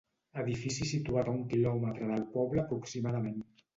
Edifici situat a un quilòmetre del poble aproximadament.